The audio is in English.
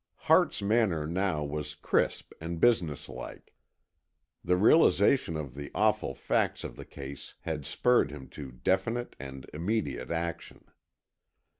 Hart's manner now was crisp and business like. The realization of the awful facts of the case had spurred him to definite and immediate action.